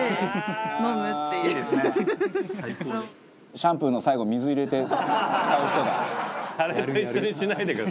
シャンプーの最後水入れて使う人だ。